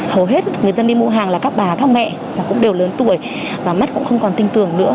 hầu hết người dân đi mua hàng là các bà các mẹ cũng đều lớn tuổi và mắt cũng không còn tin tưởng nữa